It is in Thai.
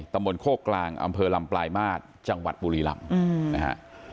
ตำบลโคกกลางอำเภอลำปลายมาตรจังหวัดบุรีลำนะฮะ